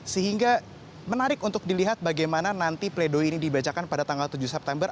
sehingga menarik untuk dilihat bagaimana nanti pledoi ini dibacakan pada tanggal tujuh september